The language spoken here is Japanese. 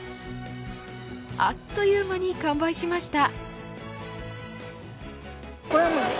あっという間に完売しました。